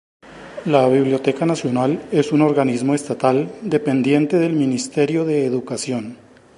La Biblioteca Nacional es un organismo estatal dependiente del Ministerio de Educación.